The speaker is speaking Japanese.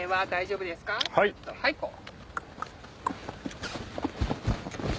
はいいこう。